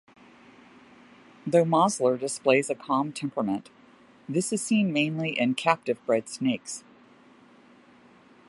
Though Mozler displays a calm temperament, this is seen mainly in captive bred snakes.